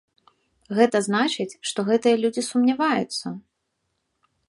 Гэта значыць, што гэтыя людзі сумняваюцца.